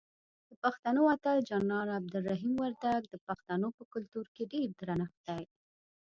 دپښتنو اتل جنرال عبدالرحیم وردک دپښتنو په کلتور کې ډیر درنښت دی.